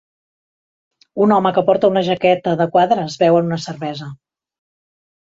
Un home que porta una jaqueta de quadres beu una cervesa.